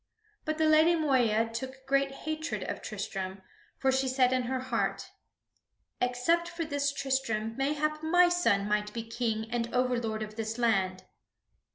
But the Lady Moeya took great hatred of Tristram, for she said in her heart: "Except for this Tristram, mayhap my son might be King and overlord of this land."